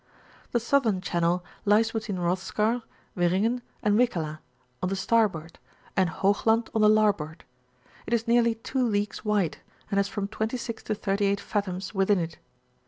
The southern channel lies between Rothskar, Wiringen, and Wikala, on the starboard, and Hoogland on the larboard; it is nearly 2 leagues wide, and has from 26 to 38 fathoms wi£in it.